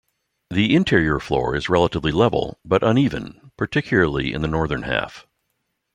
The interior floor is relatively level, but uneven, particularly in the northern half.